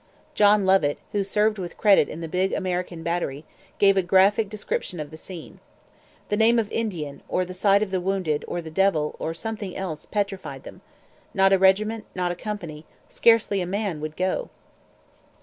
John Lovett, who served with credit in the big American battery, gave a graphic description of the scene: 'The name of Indian, or the sight of the wounded, or the Devil, or something else, petrified them. Not a regiment, not a company, scarcely a man, would go.'